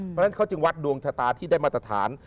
เพราะฉะนั้นเขาจึงวัดดวงชะตาที่ได้มาตรฐาน